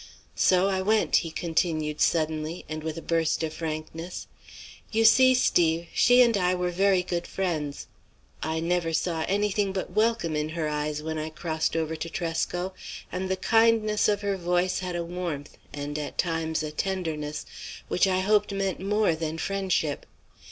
"So I went," he continued suddenly, and with a burst of frankness. "You see, Steve, she and I were very good friends; I never saw anything but welcome in her eyes when I crossed over to Tresco, and the kindliness of her voice had a warmth, and at times a tenderness, which I hoped meant more than friendship.